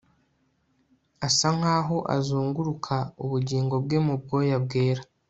Asa nkaho azunguruka ubugingo bwe mu bwoya bwera